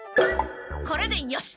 これでよし！